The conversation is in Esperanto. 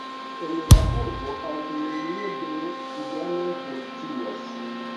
En la urbo aŭtonomio de ciganoj funkcias.